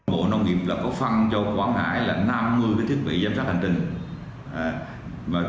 bộ nông nghiệp có phân cho quảng hải là năm mươi thiết bị giám sát hành trình